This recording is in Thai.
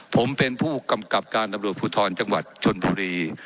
ผมเป็นผู้กำกับการตำรวจภูทรจังหวัดชนบุรี